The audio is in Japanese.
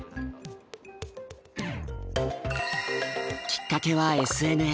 きっかけはＳＮＳ。